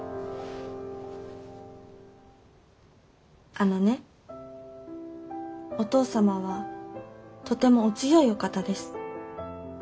あのねお父様はとてもお強いお方です。